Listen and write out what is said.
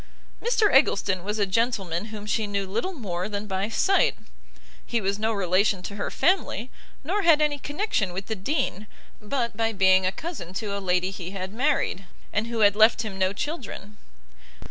Mr Eggleston was a gentleman whom she knew little more than by sight; he was no relation to her family, nor had any connection with the Dean, but by being a cousin to a lady he had married, and who had left him no children.